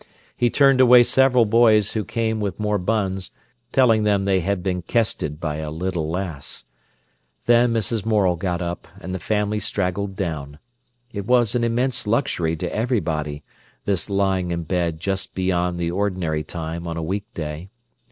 He turned away several boys who came with more buns, telling them they had been "kested" by a little lass. Then Mrs. Morel got up, and the family straggled down. It was an immense luxury to everybody, this lying in bed just beyond the ordinary time on a weekday.